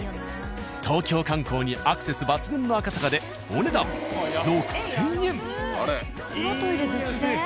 東京観光にアクセス抜群の赤坂でお値段いい安い。